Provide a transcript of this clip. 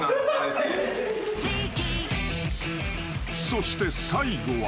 ［そして最後は］